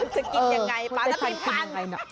จะกินยังไงปลาทับทิมปั่น